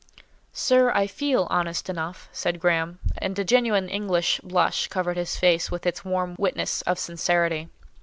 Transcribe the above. "Sir, I feel honest enough," said Graham; and a genuine English blush covered his face with its warm witness of sincerity.